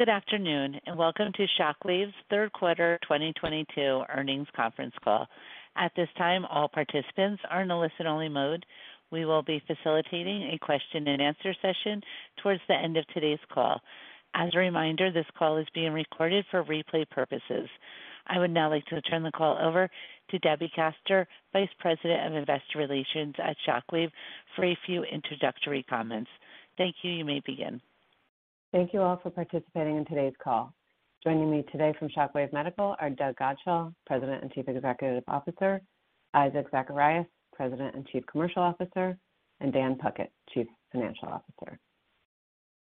Good afternoon, welcome to Shockwave's third quarter 2022 earnings conference call. At this time, all participants are in listen only mode. We will be facilitating a question and answer session towards the end of today's call. As a reminder, this call is being recorded for replay purposes. I would now like to turn the call over to Debbie Kaster, Vice President of Investor Relations at Shockwave, for a few introductory comments. Thank you. You may begin. Thank you all for participating in today's call. Joining me today from Shockwave Medical are Doug Godshall, President and Chief Executive Officer, Isaac Zacharias, President and Chief Commercial Officer, and Dan Puckett, Chief Financial Officer.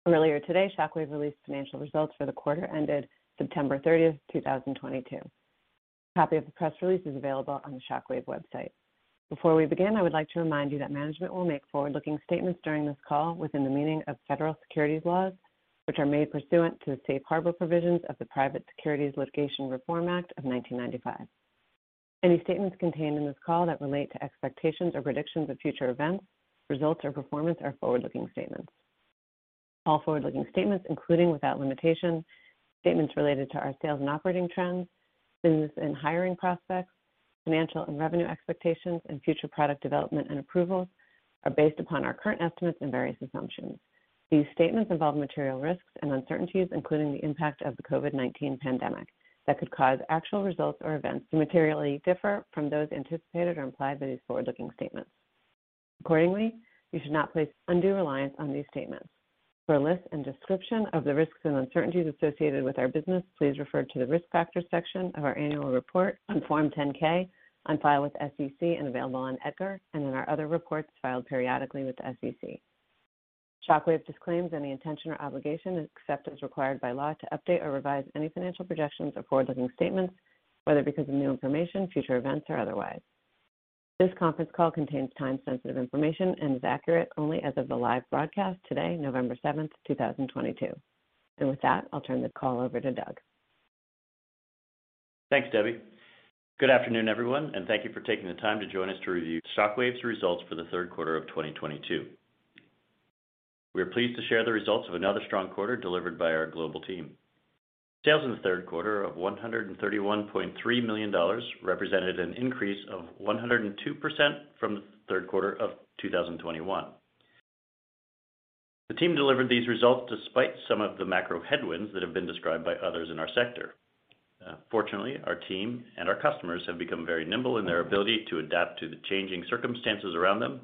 Earlier today, Shockwave released financial results for the quarter ended September 30th, 2022. A copy of the press release is available on the Shockwave website. Before we begin, I would like to remind you that management will make forward-looking statements during this call within the meaning of federal securities laws, which are made pursuant to the safe harbor provisions of the Private Securities Litigation Reform Act of 1995. Any statements contained in this call that relate to expectations or predictions of future events, results, or performance are forward-looking statements. All forward-looking statements, including, without limitation, statements related to our sales and operating trends, business and hiring prospects, financial and revenue expectations, and future product development and approvals, are based upon our current estimates and various assumptions. These statements involve material risks and uncertainties, including the impact of the COVID-19 pandemic, that could cause actual results or events to materially differ from those anticipated or implied by these forward-looking statements. You should not place undue reliance on these statements. For a list and description of the risks and uncertainties associated with our business, please refer to the risk factors section of our annual report on Form 10-K on file with SEC and available on EDGAR, and in our other reports filed periodically with the SEC. Shockwave disclaims any intention or obligation, except as required by law, to update or revise any financial projections or forward-looking statements, whether because of new information, future events, or otherwise. This conference call contains time-sensitive information and is accurate only as of the live broadcast today, November 7th, 2022. With that, I'll turn the call over to Doug. Thanks, Debbie. Good afternoon, everyone, and thank you for taking the time to join us to review Shockwave's results for the third quarter of 2022. We are pleased to share the results of another strong quarter delivered by our global team. Sales in the third quarter of $131.3 million represented an increase of 102% from the third quarter of 2021. The team delivered these results despite some of the macro headwinds that have been described by others in our sector. Fortunately, our team and our customers have become very nimble in their ability to adapt to the changing circumstances around them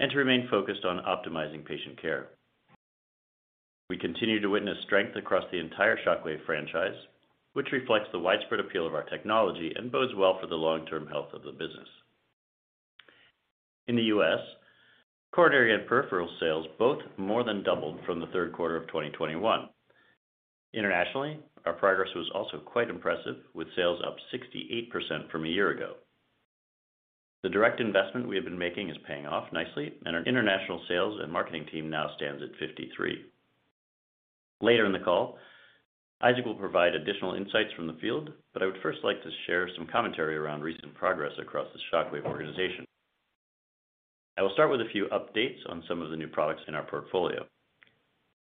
and to remain focused on optimizing patient care. We continue to witness strength across the entire Shockwave franchise, which reflects the widespread appeal of our technology and bodes well for the long-term health of the business. In the U.S., coronary and peripheral sales both more than doubled from the third quarter of 2021. Internationally, our progress was also quite impressive, with sales up 68% from a year ago. The direct investment we have been making is paying off nicely, and our international sales and marketing team now stands at 53. Later in the call, Isaac will provide additional insights from the field, but I would first like to share some commentary around recent progress across the Shockwave organization. I will start with a few updates on some of the new products in our portfolio.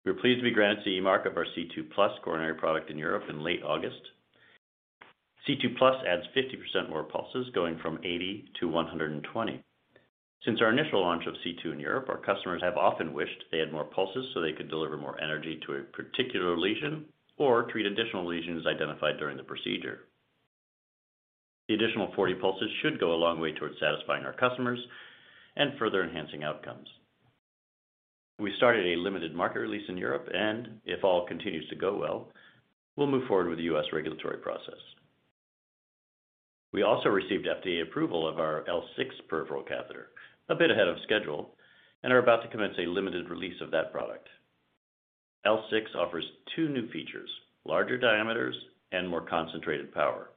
We were pleased to be granted CE mark of our Shockwave C2+ coronary product in Europe in late August. Shockwave C2+ adds 50% more pulses, going from 80 to 120. Since our initial launch of Shockwave C2 in Europe, our customers have often wished they had more pulses so they could deliver more energy to a particular lesion or treat additional lesions identified during the procedure. The additional 40 pulses should go a long way towards satisfying our customers and further enhancing outcomes. We started a limited market release in Europe, and if all continues to go well, we'll move forward with the U.S. regulatory process. We also received FDA approval of our Shockwave L6 peripheral catheter a bit ahead of schedule and are about to commence a limited release of that product. Shockwave L6 offers two new features, larger diameters and more concentrated power.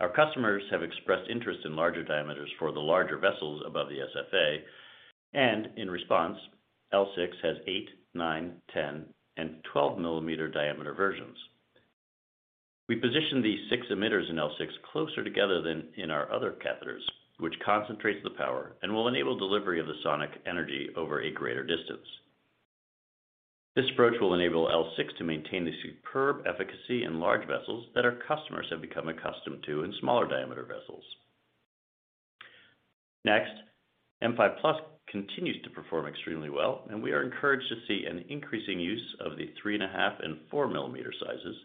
Our customers have expressed interest in larger diameters for the larger vessels above the SFA. In response, Shockwave L6 has eight, nine, 10, and 12-millimeter diameter versions. We position the six emitters in Shockwave L6 closer together than in our other catheters, which concentrates the power and will enable delivery of the sonic energy over a greater distance. This approach will enable Shockwave L6 to maintain the superb efficacy in large vessels that our customers have become accustomed to in smaller diameter vessels. Next, Shockwave M5+ continues to perform extremely well, and we are encouraged to see an increasing use of the three and a half and four millimeter sizes,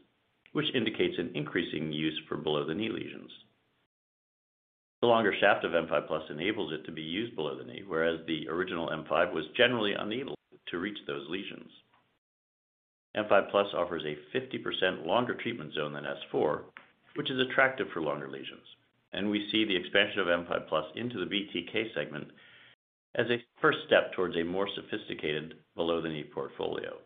which indicates an increasing use for below the knee lesions. The longer shaft of Shockwave M5+ enables it to be used below the knee, whereas the original Shockwave M5 was generally unable to reach those lesions. M5+ offers a 50% longer treatment zone than S4, which is attractive for longer lesions. We see the expansion of M5+ into the BTK segment as a first step towards a more sophisticated below-the-knee portfolio.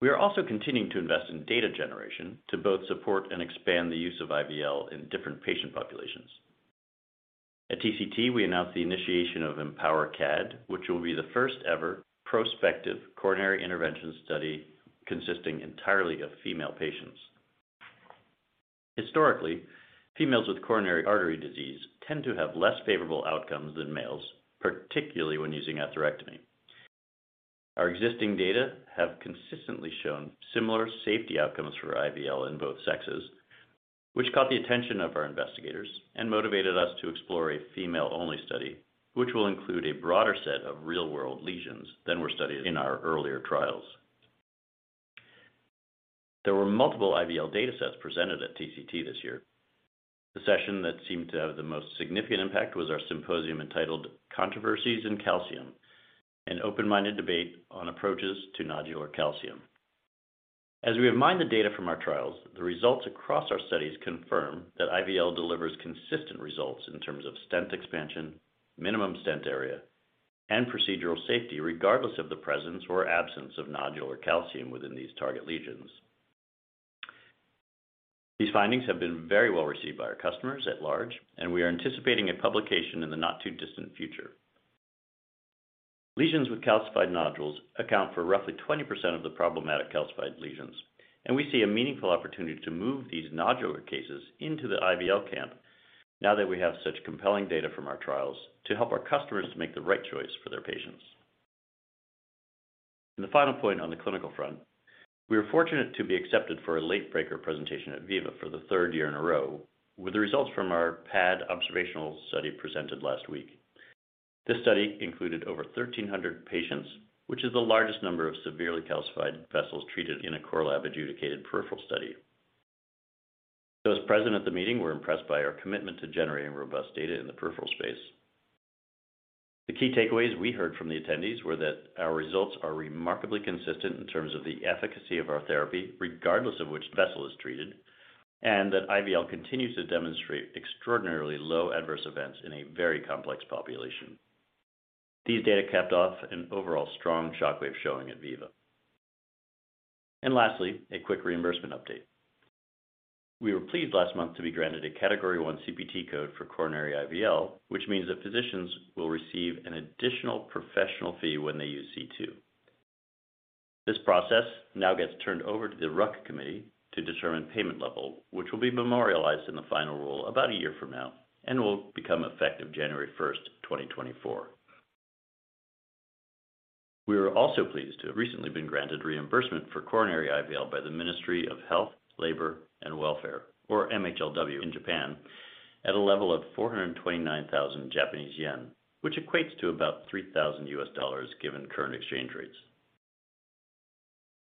We are also continuing to invest in data generation to both support and expand the use of IVL in different patient populations. At TCT, we announced the initiation of EMPOWER CAD, which will be the first ever prospective coronary intervention study consisting entirely of female patients. Historically, females with coronary artery disease tend to have less favorable outcomes than males, particularly when using atherectomy. Our existing data have consistently shown similar safety outcomes for IVL in both sexes, which caught the attention of our investigators and motivated us to explore a female-only study, which will include a broader set of real-world lesions than were studied in our earlier trials. There were multiple IVL data sets presented at TCT this year. The session that seemed to have the most significant impact was our symposium entitled "Controversies in Calcium," an open-minded debate on approaches to nodular calcium. As we have mined the data from our trials, the results across our studies confirm that IVL delivers consistent results in terms of stent expansion, minimum stent area, and procedural safety, regardless of the presence or absence of nodular calcium within these target lesions. These findings have been very well received by our customers at large. We are anticipating a publication in the not-too-distant future. Lesions with calcified nodules account for roughly 20% of the problematic calcified lesions. We see a meaningful opportunity to move these nodular cases into the IVL camp now that we have such compelling data from our trials to help our customers to make the right choice for their patients. The final point on the clinical front, we were fortunate to be accepted for a late-breaker presentation at VIVA for the third year in a row with the results from our PAD observational study presented last week. This study included over 1,300 patients, which is the largest number of severely calcified vessels treated in a core lab adjudicated peripheral study. Those present at the meeting were impressed by our commitment to generating robust data in the peripheral space. The key takeaways we heard from the attendees were that our results are remarkably consistent in terms of the efficacy of our therapy, regardless of which vessel is treated, and that IVL continues to demonstrate extraordinarily low adverse events in a very complex population. These data capped off an overall strong Shockwave showing at VIVA. Lastly, a quick reimbursement update. We were pleased last month to be granted a Category 1 CPT code for coronary IVL, which means that physicians will receive an additional professional fee when they use C2. This process now gets turned over to the RUC committee to determine payment level, which will be memorialized in the final rule about a year from now and will become effective January 1, 2024. We were also pleased to have recently been granted reimbursement for coronary IVL by the Ministry of Health, Labour, and Welfare, or MHLW, in Japan at a level of 429,000 Japanese yen, which equates to about $3,000 given current exchange rates.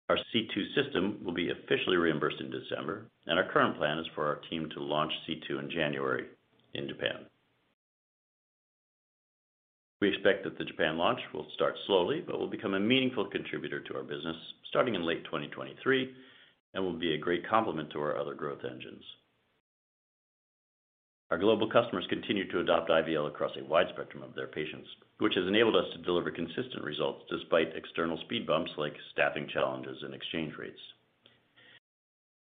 Our C2 system will be officially reimbursed in December, and our current plan is for our team to launch C2 in January in Japan. We expect that the Japan launch will start slowly but will become a meaningful contributor to our business starting in late 2023 and will be a great complement to our other growth engines. Our global customers continue to adopt IVL across a wide spectrum of their patients, which has enabled us to deliver consistent results despite external speed bumps like staffing challenges and exchange rates.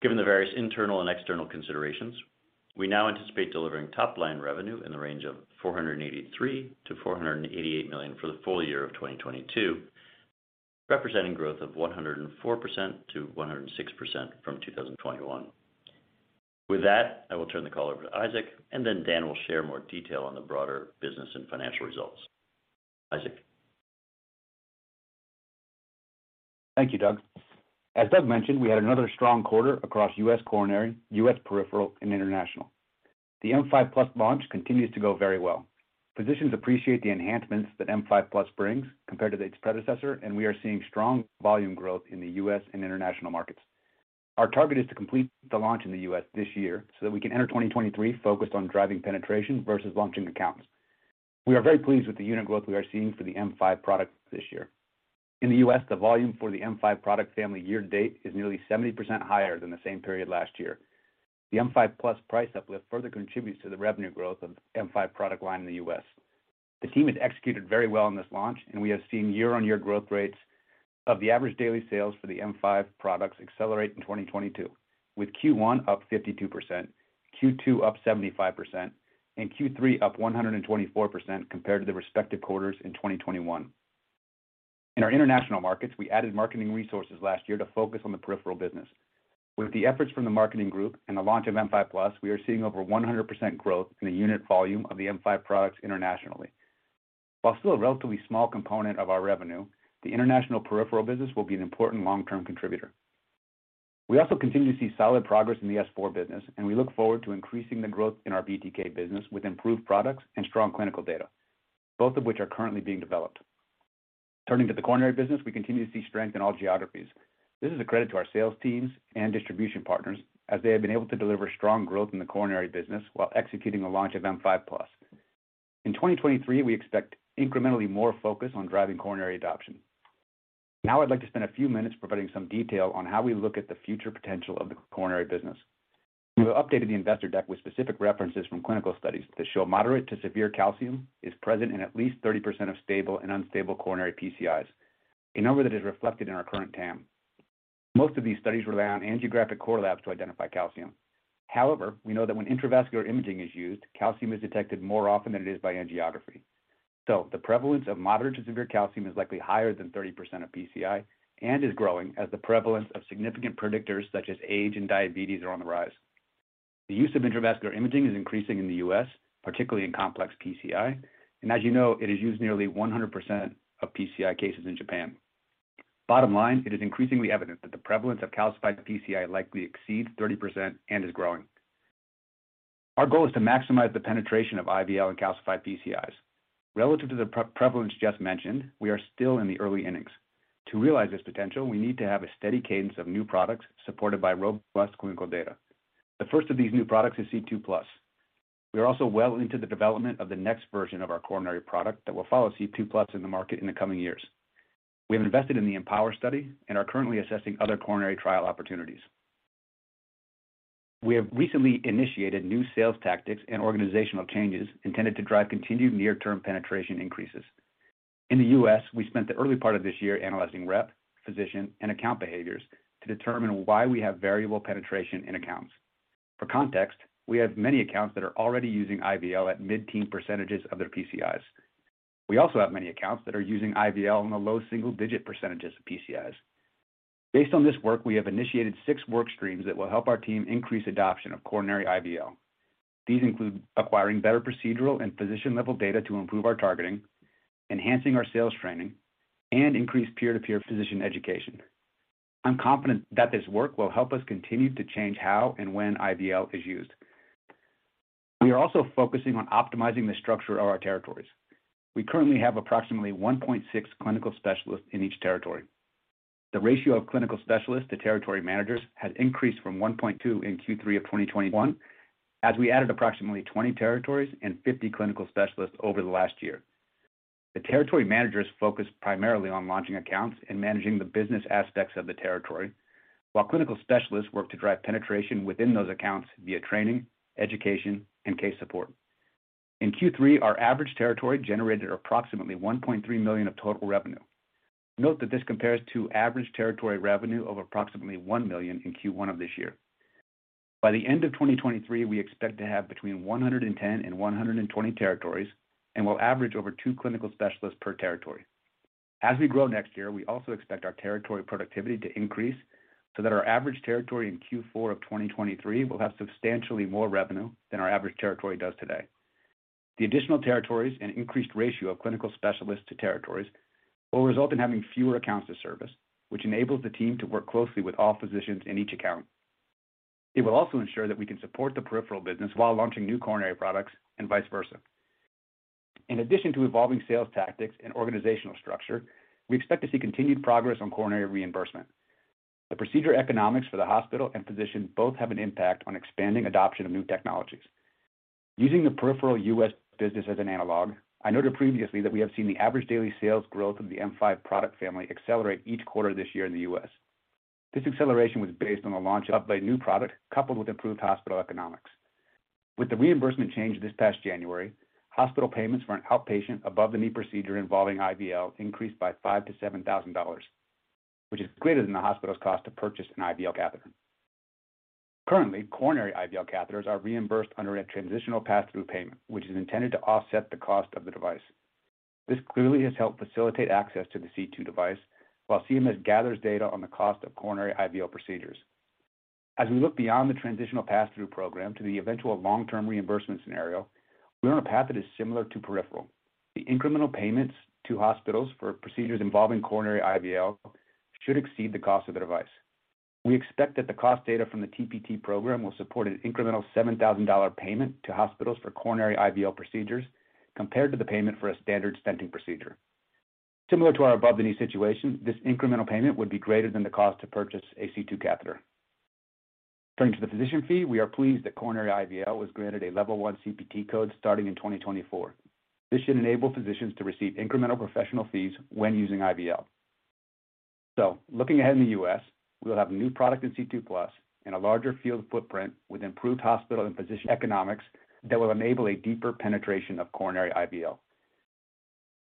Given the various internal and external considerations, we now anticipate delivering top-line revenue in the range of $483 million-$488 million for the full year of 2022, representing growth of 104%-106% from 2021. With that, I will turn the call over to Isaac, and then Dan will share more detail on the broader business and financial results. Isaac. Thank you, Doug. As Doug mentioned, we had another strong quarter across U.S. coronary, U.S. peripheral, and international. The M5+ launch continues to go very well. Physicians appreciate the enhancements that M5+ brings compared to its predecessor, and we are seeing strong volume growth in the U.S. and international markets. Our target is to complete the launch in the U.S. this year so that we can enter 2023 focused on driving penetration versus launching accounts. We are very pleased with the unit growth we are seeing for the M5 product this year. In the U.S., the volume for the M5 product family year to date is nearly 70% higher than the same period last year. The M5+ price uplift further contributes to the revenue growth of M5 product line in the U.S. The team has executed very well on this launch, and we have seen year-on-year growth rates of the average daily sales for the M5 products accelerate in 2022, with Q1 up 52%, Q2 up 75%, and Q3 up 124% compared to the respective quarters in 2021. In our international markets, we added marketing resources last year to focus on the peripheral business. With the efforts from the marketing group and the launch of M5+, we are seeing over 100% growth in the unit volume of the M5 products internationally. While still a relatively small component of our revenue, the international peripheral business will be an important long-term contributor. We also continue to see solid progress in the S4 business, and we look forward to increasing the growth in our BTK business with improved products and strong clinical data, both of which are currently being developed. Turning to the coronary business, we continue to see strength in all geographies. This is a credit to our sales teams and distribution partners, as they have been able to deliver strong growth in the coronary business while executing the launch of M5+. In 2023, we expect incrementally more focus on driving coronary adoption. I'd like to spend a few minutes providing some detail on how we look at the future potential of the coronary business. We have updated the investor deck with specific references from clinical studies that show moderate to severe calcium is present in at least 30% of stable and unstable coronary PCIs, a number that is reflected in our current TAM. Most of these studies rely on angiographic core labs to identify calcium. However, we know that when intravascular imaging is used, calcium is detected more often than it is by angiography. The prevalence of moderate to severe calcium is likely higher than 30% of PCI and is growing as the prevalence of significant predictors such as age and diabetes are on the rise. The use of intravascular imaging is increasing in the U.S., particularly in complex PCI, and as you know, it is used nearly 100% of PCI cases in Japan. Bottom line, it is increasingly evident that the prevalence of calcified PCI likely exceeds 30% and is growing. Our goal is to maximize the penetration of IVL in calcified PCIs. Relative to the prevalence just mentioned, we are still in the early innings. To realize this potential, we need to have a steady cadence of new products supported by robust clinical data. The first of these new products is C2+. We are also well into the development of the next version of our coronary product that will follow C2+ in the market in the coming years. We have invested in the EMPOWER study and are currently assessing other coronary trial opportunities. We have recently initiated new sales tactics and organizational changes intended to drive continued near-term penetration increases. In the U.S., we spent the early part of this year analyzing rep, physician, and account behaviors to determine why we have variable penetration in accounts. For context, we have many accounts that are already using IVL at mid-teen percentages of their PCIs. We also have many accounts that are using IVL in the low single-digit percentages of PCIs. Based on this work, we have initiated six work streams that will help our team increase adoption of coronary IVL. These include acquiring better procedural and physician-level data to improve our targeting, enhancing our sales training, and increase peer-to-peer physician education. I'm confident that this work will help us continue to change how and when IVL is used. We are also focusing on optimizing the structure of our territories. We currently have approximately 1.6 clinical specialists in each territory. The ratio of clinical specialists to territory managers has increased from 1.2 in Q3 2021, as we added approximately 20 territories and 50 clinical specialists over the last year. The territory managers focus primarily on launching accounts and managing the business aspects of the territory, while clinical specialists work to drive penetration within those accounts via training, education, and case support. In Q3, our average territory generated approximately $1.3 million of total revenue. Note that this compares to average territory revenue of approximately $1 million in Q1 of this year. By the end of 2023, we expect to have between 110 and 120 territories and will average over two clinical specialists per territory. As we grow next year, we also expect our territory productivity to increase so that our average territory in Q4 of 2023 will have substantially more revenue than our average territory does today. The additional territories and increased ratio of clinical specialists to territories will result in having fewer accounts to service, which enables the team to work closely with all physicians in each account. It will also ensure that we can support the peripheral business while launching new coronary products, and vice versa. In addition to evolving sales tactics and organizational structure, we expect to see continued progress on coronary reimbursement. The procedure economics for the hospital and physician both have an impact on expanding adoption of new technologies. Using the peripheral U.S. business as an analog, I noted previously that we have seen the average daily sales growth of the Shockwave M5 product family accelerate each quarter this year in the U.S. This acceleration was based on the launch of a new product coupled with improved hospital economics. With the reimbursement change this past January, hospital payments for an outpatient above-the-knee procedure involving IVL increased by $5,000-$7,000, which is greater than the hospital's cost to purchase an IVL catheter. Currently, coronary IVL catheters are reimbursed under a transitional passthrough payment, which is intended to offset the cost of the device. This clearly has helped facilitate access to the Shockwave C2 device while CMS gathers data on the cost of coronary IVL procedures. As we look beyond the transitional passthrough program to the eventual long-term reimbursement scenario, we are on a path that is similar to peripheral. The incremental payments to hospitals for procedures involving coronary IVL should exceed the cost of the device. We expect that the cost data from the TPT program will support an incremental $7,000 payment to hospitals for coronary IVL procedures compared to the payment for a standard stenting procedure. Similar to our above-the-knee situation, this incremental payment would be greater than the cost to purchase a Shockwave C2 catheter. Turning to the physician fee, we are pleased that coronary IVL was granted a level 1 CPT code starting in 2024. This should enable physicians to receive incremental professional fees when using IVL. Looking ahead in the U.S., we will have a new product in Shockwave C2+ and a larger field footprint with improved hospital and physician economics that will enable a deeper penetration of coronary IVL.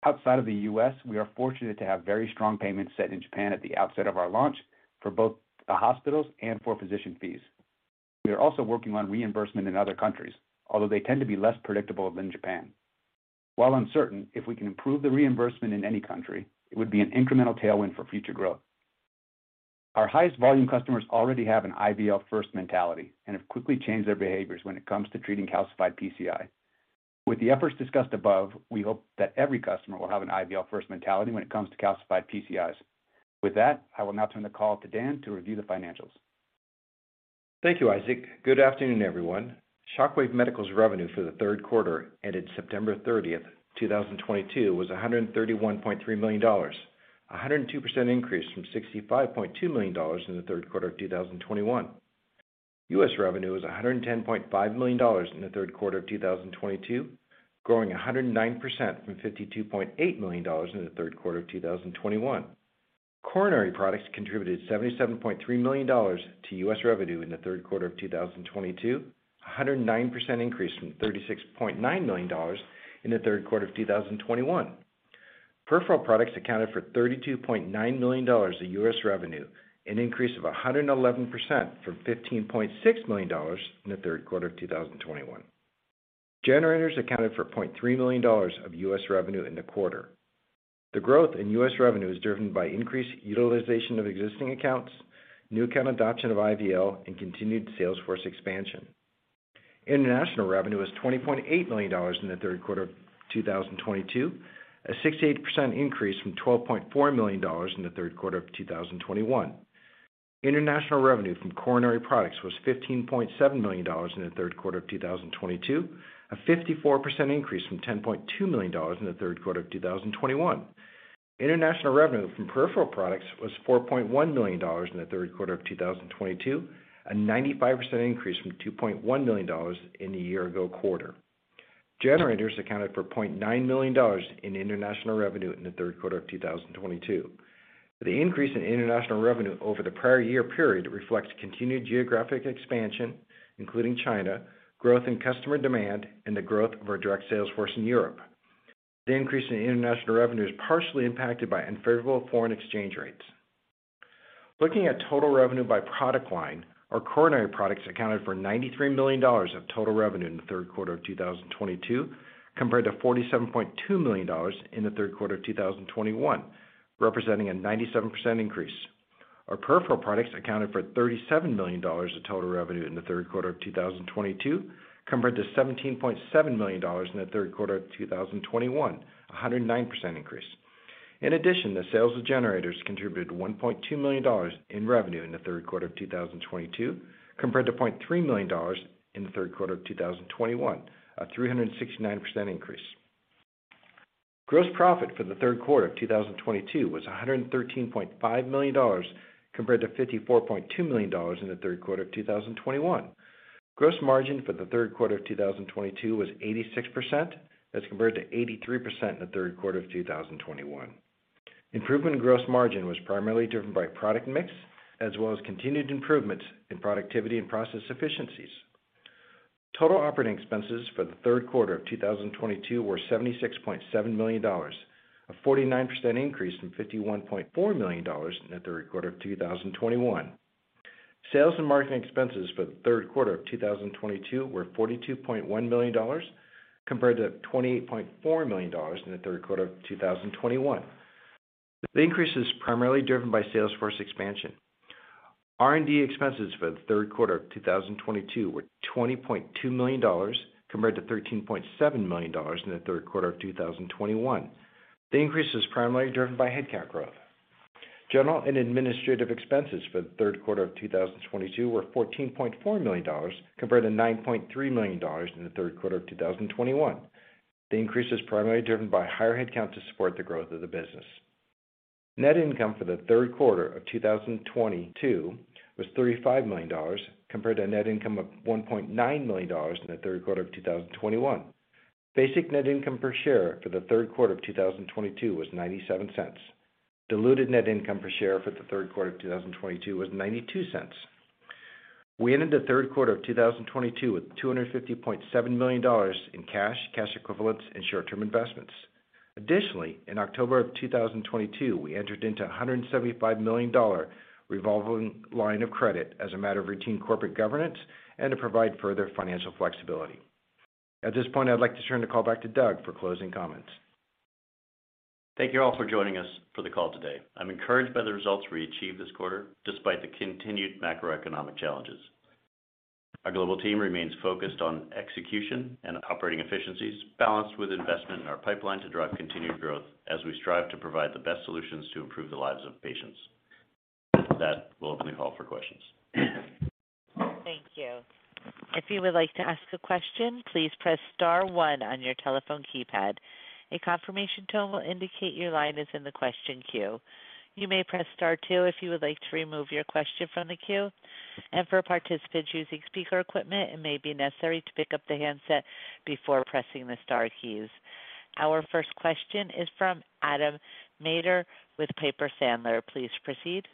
Outside of the U.S., we are fortunate to have very strong payments set in Japan at the outset of our launch for both the hospitals and for physician fees. We are also working on reimbursement in other countries, although they tend to be less predictable than Japan. While uncertain, if we can improve the reimbursement in any country, it would be an incremental tailwind for future growth. Our highest volume customers already have an IVL-first mentality and have quickly changed their behaviors when it comes to treating calcified PCI. With the efforts discussed above, we hope that every customer will have an IVL-first mentality when it comes to calcified PCIs. With that, I will now turn the call to Dan to review the financials. Thank you, Isaac. Good afternoon, everyone. Shockwave Medical's revenue for the third quarter ended September 30, 2022, was $131.3 million, 102% increase from $65.2 million in the third quarter of 2021. U.S. revenue was $110.5 million in the third quarter of 2022, growing 109% from $52.8 million in the third quarter of 2021. Coronary products contributed $77.3 million to U.S. revenue in the third quarter of 2022, 109% increase from $36.9 million in the third quarter of 2021. Peripheral products accounted for $32.9 million of U.S. revenue, an increase of 111% from $15.6 million in the third quarter of 2021. Generators accounted for $0.3 million of U.S. revenue in the quarter. The growth in U.S. revenue is driven by increased utilization of existing accounts, new account adoption of IVL, and continued sales force expansion. International revenue was $20.8 million in the third quarter of 2022, a 68% increase from $12.4 million in the third quarter of 2021. International revenue from coronary products was $15.7 million in the third quarter of 2022, a 54% increase from $10.2 million in the third quarter of 2021. International revenue from peripheral products was $4.1 million in the third quarter of 2022, a 95% increase from $2.1 million in the year-ago quarter. Generators accounted for $0.9 million in international revenue in the third quarter of 2022. The increase in international revenue over the prior year period reflects continued geographic expansion, including China, growth in customer demand, and the growth of our direct sales force in Europe. The increase in international revenue is partially impacted by unfavorable foreign exchange rates. Looking at total revenue by product line, our coronary products accounted for $93 million of total revenue in the third quarter of 2022, compared to $47.2 million in the third quarter of 2021, representing a 97% increase. Our peripheral products accounted for $37 million of total revenue in the third quarter of 2022, compared to $17.7 million in the third quarter of 2021, 109% increase. In addition, the sales of generators contributed $1.2 million in revenue in the third quarter of 2022, compared to $0.3 million in the third quarter of 2021, a 369% increase. Gross profit for the third quarter of 2022 was $113.5 million, compared to $54.2 million in the third quarter of 2021. Gross margin for the third quarter of 2022 was 86%. That's compared to 83% in the third quarter of 2021. Improvement in gross margin was primarily driven by product mix, as well as continued improvements in productivity and process efficiencies. Total operating expenses for the third quarter of 2022 were $76.7 million, a 49% increase from $51.4 million in the third quarter of 2021. Sales and marketing expenses for the third quarter of 2022 were $42.1 million, compared to $28.4 million in the third quarter of 2021. The increase is primarily driven by sales force expansion. R&D expenses for the third quarter of 2022 were $20.2 million, compared to $13.7 million in the third quarter of 2021. The increase is primarily driven by headcount growth. General and administrative expenses for the third quarter of 2022 were $14.4 million, compared to $9.3 million in the third quarter of 2021. The increase is primarily driven by higher headcount to support the growth of the business. Net income for the third quarter of 2022 was $35 million, compared to net income of $1.9 million in the third quarter of 2021. Basic net income per share for the third quarter of 2022 was $0.97. Diluted net income per share for the third quarter of 2022 was $0.92. We ended the third quarter of 2022 with $250.7 million in cash equivalents, and short-term investments. In October of 2022, we entered into $175 million revolving line of credit as a matter of routine corporate governance and to provide further financial flexibility. At this point, I'd like to turn the call back to Doug for closing comments. Thank you all for joining us for the call today. I'm encouraged by the results we achieved this quarter, despite the continued macroeconomic challenges. Our global team remains focused on execution and operating efficiencies, balanced with investment in our pipeline to drive continued growth as we strive to provide the best solutions to improve the lives of patients. We'll open the call for questions. Thank you. If you would like to ask a question, please press *1 on your telephone keypad. A confirmation tone will indicate your line is in the question queue. You may press *2 if you would like to remove your question from the queue. For participants using speaker equipment, it may be necessary to pick up the handset before pressing the star keys. Our first question is from Adam Maeder with Piper Sandler. Please proceed.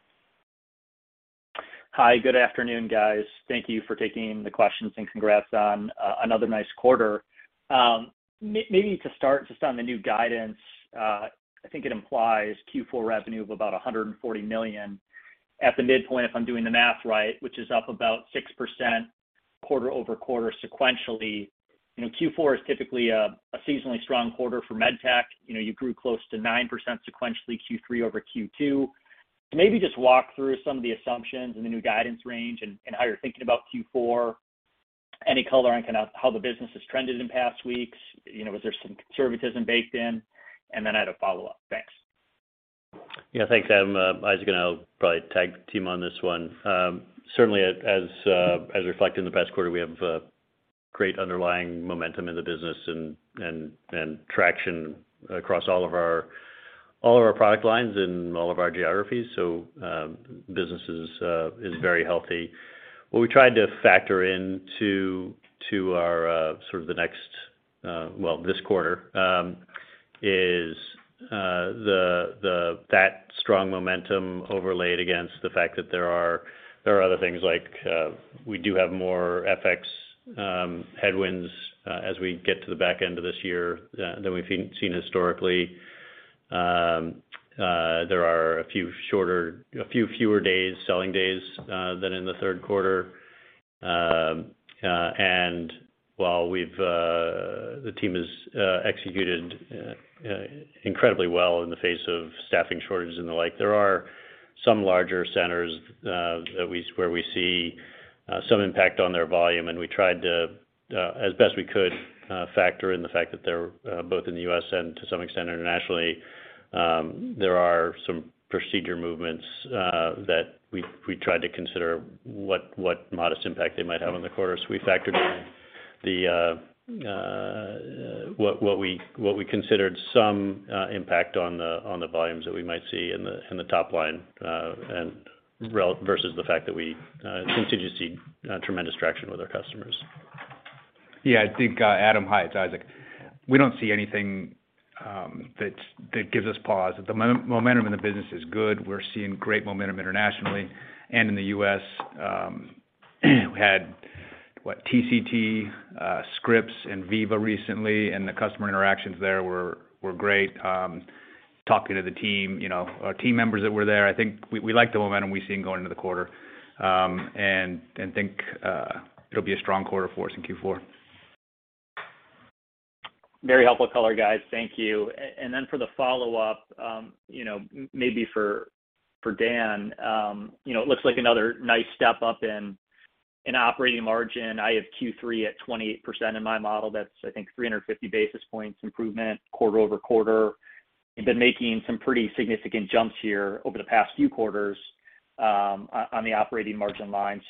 Hi. Good afternoon, guys. Thank you for taking the questions and congrats on another nice quarter. Maybe to start just on the new guidance, I think it implies Q4 revenue of about $140 million at the midpoint, if I'm doing the math right, which is up about 6% quarter-over-quarter sequentially. Q4 is typically a seasonally strong quarter for med tech. You grew close to 9% sequentially Q3-over-Q2. Maybe just walk through some of the assumptions in the new guidance range and how you're thinking about Q4. Any color on kind of how the business has trended in past weeks? Was there some conservatism baked in? I had a follow-up. Thanks. Yeah. Thanks, Adam. Isaac and I will probably tag team on this one. Certainly as reflected in the past quarter, we have great underlying momentum in the business and traction across all of our product lines and all of our geographies. Business is very healthy. What we tried to factor into our sort of the next, well, this quarter, is that strong momentum overlaid against the fact that there are other things like, we do have more FX headwinds as we get to the back end of this year than we've seen historically. There are a few fewer days, selling days, than in the third quarter. While the team has executed incredibly well in the face of staffing shortages and the like, there are some larger centers where we see some impact on their volume, and we tried to, as best we could, factor in the fact that they're both in the U.S. and to some extent, internationally. There are some procedure movements that we tried to consider what modest impact they might have on the quarter. We factored in what we considered some impact on the volumes that we might see in the top line versus the fact that we continue to see tremendous traction with our customers. Yeah, I think, Adam, hi, it's Isaac. We don't see anything that gives us pause. The momentum in the business is good. We're seeing great momentum internationally and in the U.S. We had, what, TCT, Scripps, and VIVA recently, and the customer interactions there were great. Talking to the team members that were there, I think we like the momentum we've seen going into the quarter, and think it'll be a strong quarter for us in Q4. Very helpful color, guys. Thank you. For the follow-up, maybe for Dan. It looks like another nice step up in operating margin. I have Q3 at 28% in my model. That's, I think, 350 basis points improvement quarter-over-quarter. You've been making some pretty significant jumps here over the past few quarters on the operating margin line.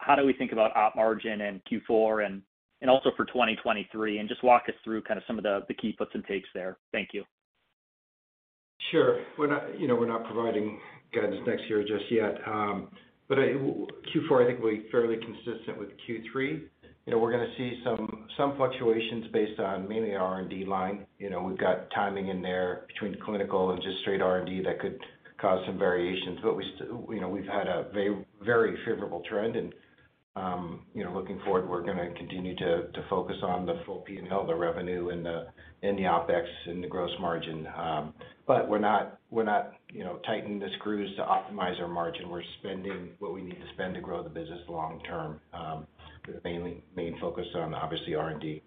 How do we think about op margin in Q4 and also for 2023? Just walk us through kind of some of the key puts and takes there. Thank you. Sure. We're not providing guidance next year just yet. Q4, I think, will be fairly consistent with Q3. We're going to see some fluctuations based on mainly R&D line. We've got timing in there between the clinical and just straight R&D that could cause some variations. We've had a very favorable trend and looking forward, we're going to continue to focus on the full P&L, the revenue, the OpEx, and the gross margin. We're not tightening the screws to optimize our margin. We're spending what we need to spend to grow the business long term. The main focus on, obviously, R&D.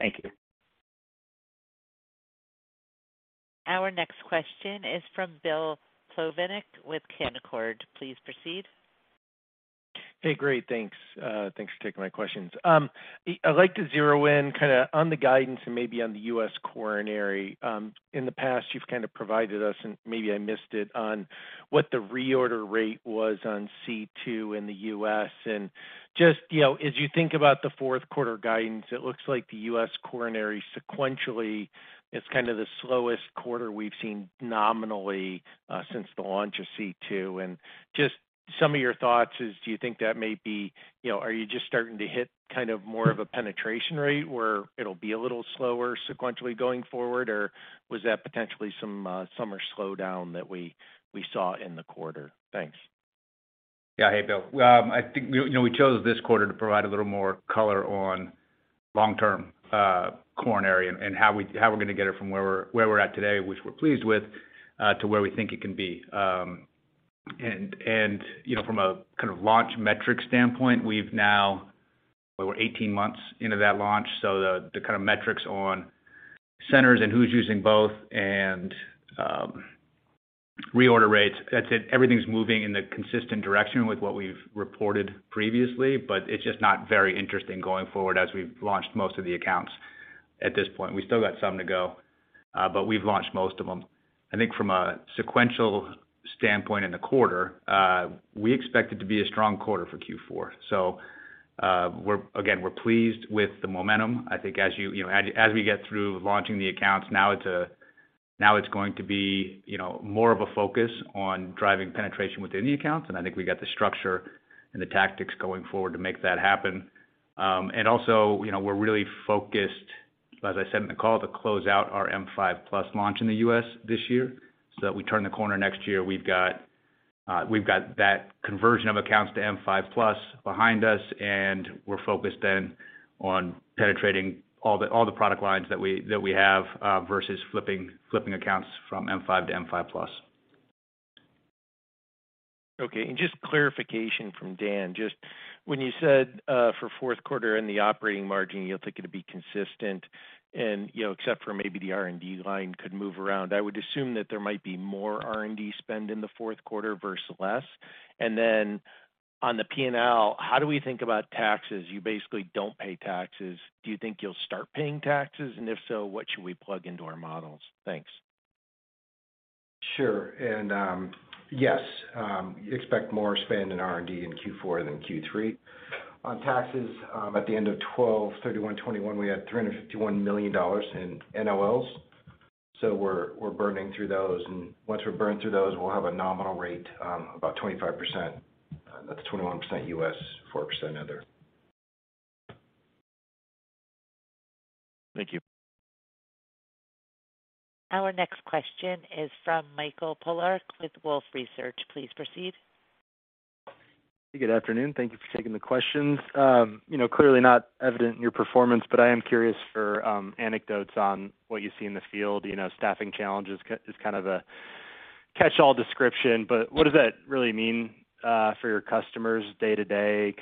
Thank you. Our next question is from Bill Plovanic with Canaccord. Please proceed. Hey, great. Thanks. Thanks for taking my questions. I'd like to zero in kind of on the guidance and maybe on the U.S. coronary. In the past, you've kind of provided us, and maybe I missed it, on what the reorder rate was on C2 in the U.S. Just as you think about the fourth quarter guidance, it looks like the U.S. coronary sequentially is kind of the slowest quarter we've seen nominally since the launch of C2. Just some of your thoughts is, do you think that may be Are you just starting to hit kind of more of a penetration rate where it'll be a little slower sequentially going forward, or was that potentially some summer slowdown that we saw in the quarter? Thanks. Yeah. Hey, Bill Bonello. I think we chose this quarter to provide a little more color on long-term coronary and how we're going to get it from where we're at today, which we're pleased with, to where we think it can be. From a kind of launch metric standpoint, we're 18 months into that launch, so the kind of metrics on centers and who's using both and reorder rates, everything's moving in the consistent direction with what we've reported previously. It's just not very interesting going forward as we've launched most of the accounts at this point. We've still got some to go, but we've launched most of them. I think from a sequential standpoint in the quarter, we expect it to be a strong quarter for Q4. Again, we're pleased with the momentum. I think as we get through launching the accounts now, it's going to be more of a focus on driving penetration within the accounts, and I think we got the structure and the tactics going forward to make that happen. Also, we're really focused, as I said in the call, to close out our M5+ launch in the U.S. this year so that we turn the corner next year, we've got that conversion of accounts to M5+ behind us, and we're focused then on penetrating all the product lines that we have versus flipping accounts from M5 to M5+. Okay. Just clarification from Dan, just when you said for fourth quarter in the operating margin, you'll think it'll be consistent except for maybe the R&D line could move around, I would assume that there might be more R&D spend in the fourth quarter versus less. Then on the P&L, how do we think about taxes? You basically don't pay taxes. Do you think you'll start paying taxes? If so, what should we plug into our models? Thanks. Sure. Yes, you expect more spend in R&D in Q4 than Q3. On taxes, at the end of 12/31/2021, we had $351 million in NOLs. We're burning through those, and once we burn through those, we'll have a nominal rate, about 25%. That's 21% U.S., 4% other. Thank you. Our next question is from Michael Polark with Wolfe Research. Please proceed. Good afternoon. Thank you for taking the questions. Clearly not evident in your performance, but I am curious for anecdotes on what you see in the field. Staffing challenges is kind of a catch-all description, but what does that really mean for your customers day to day?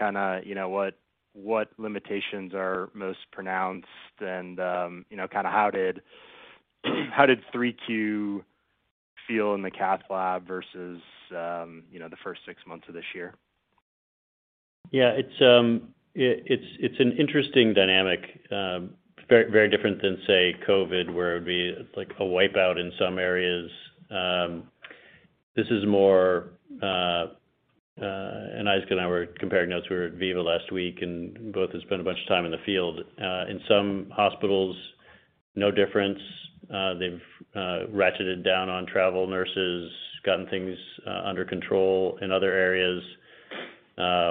What limitations are most pronounced and how did 3Q feel in the cath lab versus the first six months of this year? Yeah. It's an interesting dynamic. Very different than, say, COVID-19, where it would be a wipeout in some areas. Isaac and I were comparing notes. We were at VIVA last week, and both had spent a bunch of time in the field. In some hospitals, no difference. They've ratcheted down on travel nurses, gotten things under control in other areas.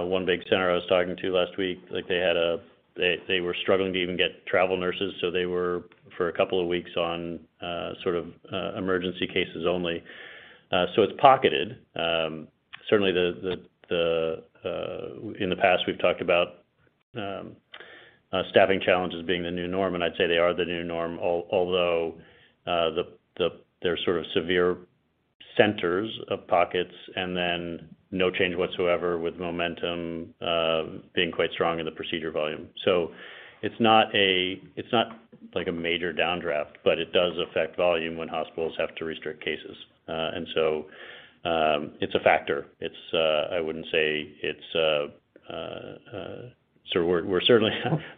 One big center I was talking to last week, they were struggling to even get travel nurses, so they were, for a couple of weeks, on emergency cases only. It's pocketed. Certainly, in the past, we've talked about staffing challenges being the new norm, and I'd say they are the new norm, although there are sort of severe centers of pockets, and then no change whatsoever with momentum being quite strong in the procedure volume. It's not like a major downdraft, but it does affect volume when hospitals have to restrict cases. It's a factor.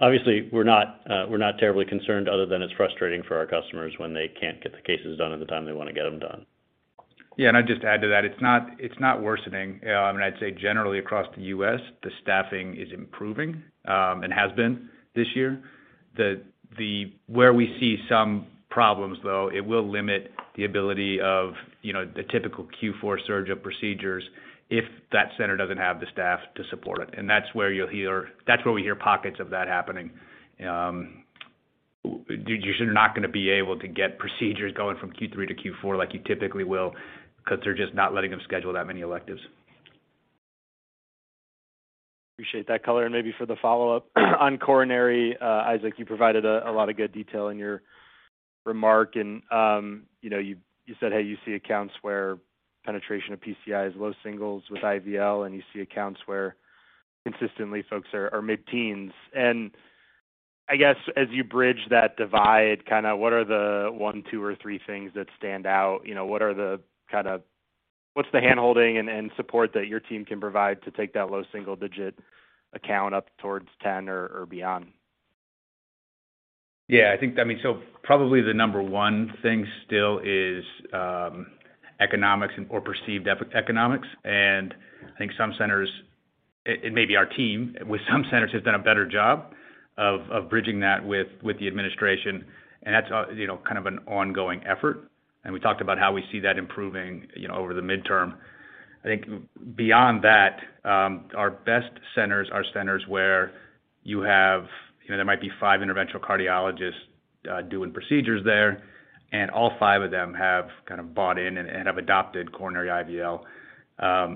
Obviously, we're not terribly concerned other than it's frustrating for our customers when they can't get the cases done at the time they want to get them done. Yeah, I'd just add to that, it's not worsening. I'd say generally across the U.S., the staffing is improving and has been this year. Where we see some problems, though, it will limit the ability of the typical Q4 surge of procedures if that center doesn't have the staff to support it. That's where we hear pockets of that happening. You're not going to be able to get procedures going from Q3 to Q4 like you typically will, because they're just not letting them schedule that many electives. Appreciate that color. Maybe for the follow-up on coronary, Isaac, you provided a lot of good detail in your remark and you said how you see accounts where penetration of PCI is low singles with IVL, and you see accounts where consistently folks are mid-teens. I guess as you bridge that divide, what are the one, two or three things that stand out? What's the handholding and support that your team can provide to take that low single digit account up towards 10 or beyond? Yeah. Probably the number one thing still is economics or perceived economics. I think some centers, it may be our team, with some centers have done a better job of bridging that with the administration, and that's kind of an ongoing effort. We talked about how we see that improving over the midterm. I think beyond that, our best centers are centers where there might be five interventional cardiologists doing procedures there, and all five of them have bought in and have adopted coronary IVL. A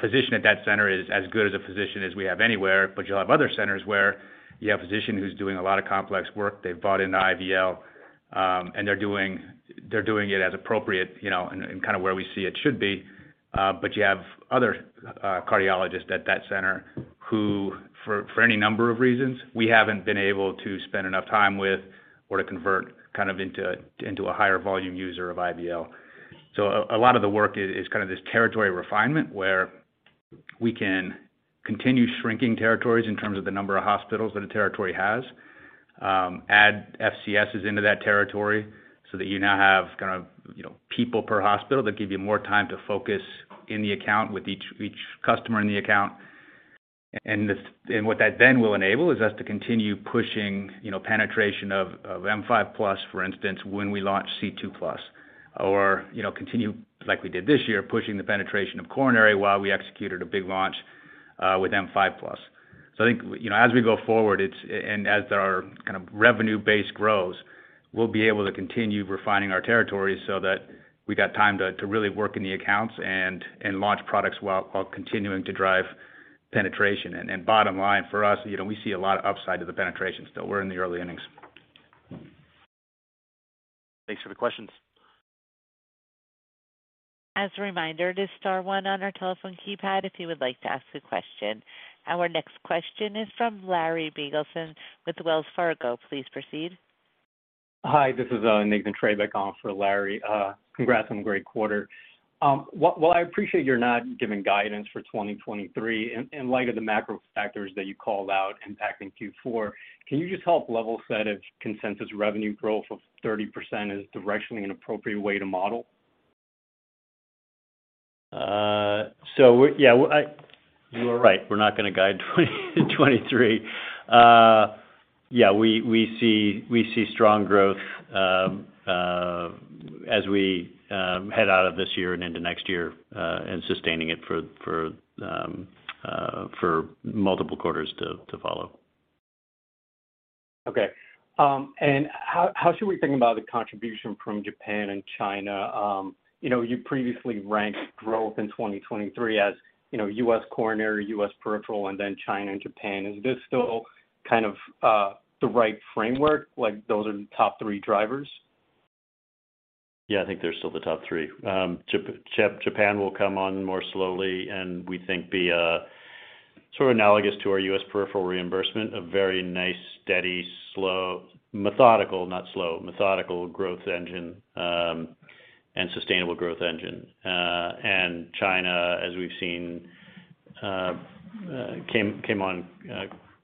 physician at that center is as good as a physician as we have anywhere. You'll have other centers where you have a physician who's doing a lot of complex work. They've bought into IVL, and they're doing it as appropriate, and kind of where we see it should be. You have other cardiologists at that center who, for any number of reasons, we haven't been able to spend enough time with or to convert into a higher volume user of IVL. A lot of the work is this territory refinement where we can continue shrinking territories in terms of the number of hospitals that a territory has, add FCSs into that territory so that you now have people per hospital that give you more time to focus in the account with each customer in the account. What that will enable is us to continue pushing penetration of M5+, for instance, when we launch C2+. Continue, like we did this year, pushing the penetration of coronary while we executed a big launch with M5+. I think as we go forward and as our revenue base grows, we'll be able to continue refining our territories so that we got time to really work in the accounts and launch products while continuing to drive penetration. Bottom line for us, we see a lot of upside to the penetration still. We're in the early innings. Thanks for the questions. As a reminder, it is star one on our telephone keypad if you would like to ask a question. Our next question is from Larry Biegelsen with Wells Fargo. Please proceed. Hi, this is Nathan Treybeck on for Larry. Congrats on a great quarter. While I appreciate you're not giving guidance for 2023, in light of the macro factors that you called out impacting Q4, can you just help level set if consensus revenue growth of 30% is directionally an appropriate way to model? You are right. We're not going to guide 2023. Yeah, we see strong growth as we head out of this year and into next year, and sustaining it for multiple quarters to follow. Okay. How should we think about the contribution from Japan and China? You previously ranked growth in 2023 as U.S. coronary, U.S. peripheral, and then China and Japan. Is this still the right framework, like those are the top three drivers? I think they're still the top three. Japan will come on more slowly and we think be sort of analogous to our U.S. peripheral reimbursement, a very nice, steady, slow, methodical, not slow, methodical growth engine, and sustainable growth engine. China, as we've seen, came on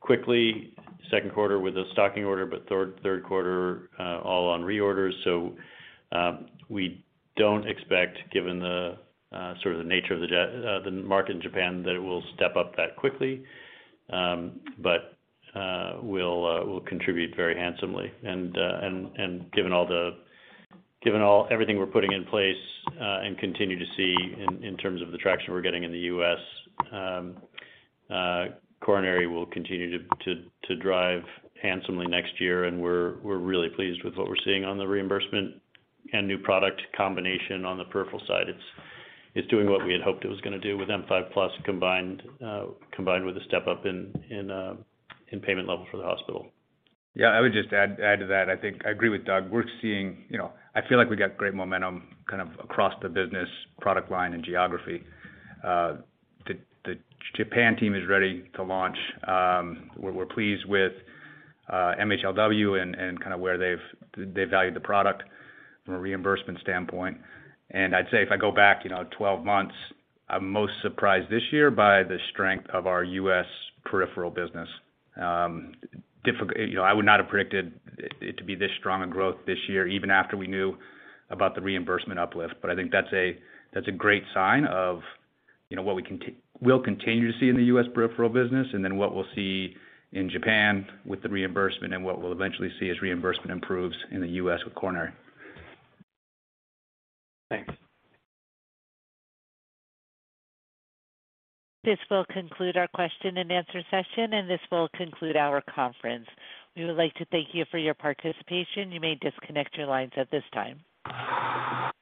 quickly second quarter with a stocking order, but third quarter all on reorders. We don't expect, given the sort of the nature of the market in Japan, that it will step up that quickly. Will contribute very handsomely and given everything we're putting in place and continue to see in terms of the traction we're getting in the U.S., coronary will continue to drive handsomely next year, and we're really pleased with what we're seeing on the reimbursement and new product combination on the peripheral side. It's doing what we had hoped it was going to do with Shockwave M5+ combined with a step up in payment level for the hospital. Yeah, I would just add to that. I agree with Doug. I feel like we got great momentum kind of across the business product line and geography. The Japan team is ready to launch. We're pleased with MHLW and kind of where they valued the product from a reimbursement standpoint. I'd say if I go back 12 months, I'm most surprised this year by the strength of our U.S. peripheral business. I would not have predicted it to be this strong a growth this year, even after we knew about the reimbursement uplift. I think that's a great sign of what we will continue to see in the U.S. peripheral business, and then what we'll see in Japan with the reimbursement and what we'll eventually see as reimbursement improves in the U.S. with coronary. Thanks. This will conclude our question and answer session. This will conclude our conference. We would like to thank you for your participation. You may disconnect your lines at this time.